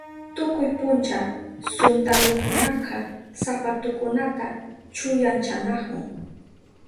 Tukuy puncha suntalukunaka sapatukunata chuyanchanahun.